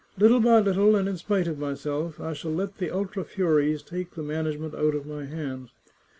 " Little by little, and in spite of myself, I shall let the ultra furies take the management out of my hands.